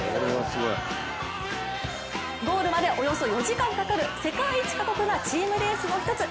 ゴールまでおよそ４時間かかる世界一過酷なチームレースの一つ。